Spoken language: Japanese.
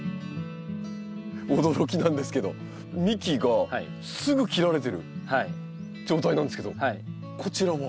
驚きなんですけど幹がすぐ切られてる状態なんですけどこちらは？